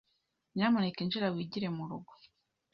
Nyamuneka injira wigire murugo.